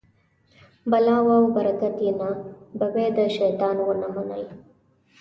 بلا وه او برکت یې نه، ببۍ د شیطان و نه منل.